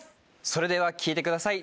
それでは聴いてください